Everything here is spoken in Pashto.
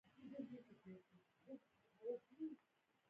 بالر کوښښ کوي، چي بېټسمېن وسوځوي.